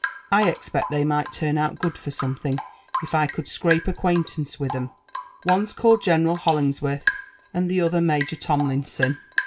I expect they might turn out good for something, if I could scrape acquaintance with 'em* One's called General Uolingsworth, and the other Major Tpmlinson."